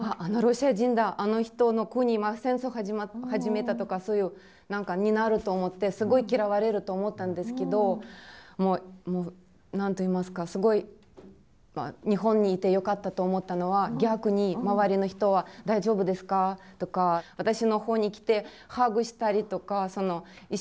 あの人の国戦争始めた」とかそういう何かになると思ってすごい嫌われると思ったんですけどもう何と言いますかすごい日本にいてよかったと思ったのは逆に周りの人は「大丈夫ですか？」とか私のほうに来てハグしたりとか一緒に泣いたり街なか。